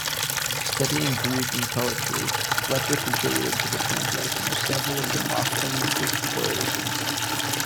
Studying Greek and poetry, Fletcher contributed to the translation of several of Demosthenes' orations.